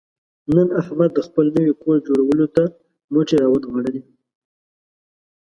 نن احمد د خپل نوي کور جوړولو ته مټې را ونغاړلې.